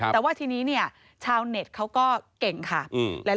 แต่ว่าทีนี้เนี่ยชาวเน็ตเขาก็เก่งค่ะ